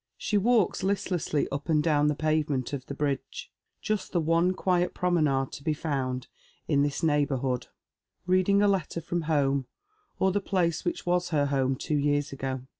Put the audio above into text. She ft'alks listlessly up and down the pavement of the bridge — just the one quiet promenade to be found in this neighbourhood — reading a letter from home, or the place which was her home two years ago.